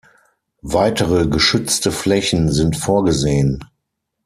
Weitere geschützte Flächen sind vorgesehen.